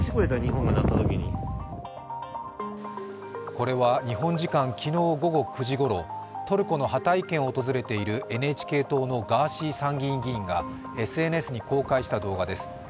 これは、日本時間昨日午後９時ごろ、トルコのハタイ県を訪れているＮＨＫ党のガーシー参議院議員がＳＮＳに公開した動画です。